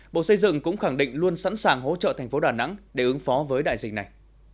bộ xây dựng cũng khẳng định luôn sẵn sàng hỗ trợ thành phố đà nẵng để ứng phó với đại dịch này